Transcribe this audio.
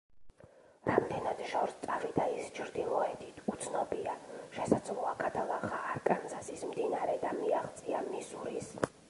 რამდენად შორს წავიდა ის ჩრდილოეთით, უცნობია: შესაძლოა, გადალახა არკანზასის მდინარე და მიაღწია მისურის.